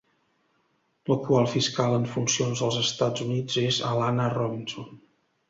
L'actual fiscal en funcions dels Estats Units és Alana Robinson.